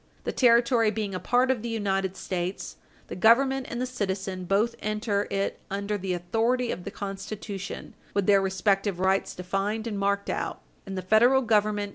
The Territory being a part of the United States, the Government and the citizen both enter it under the authority of the Constitution, with their respective rights defined and marked out, and the Federal Government Page 60 U.